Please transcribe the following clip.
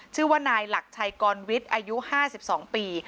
ชื่อว่านายหลักชัยกรณ์วิทย์อายุห้าสิบสองปี